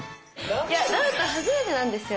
いやダウト初めてなんですよ。